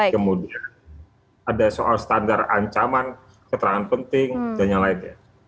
kemudian ada soal standar ancaman keterangan penting dan yang lainnya